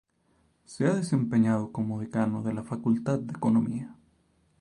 Se ha desempeñado como Decano de la Facultad de Economía.